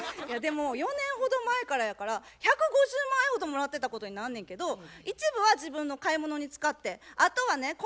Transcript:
でも４年ほど前からやから１５０万円ほどもらってたことになんねやけど一部は自分の買い物に使ってあとはね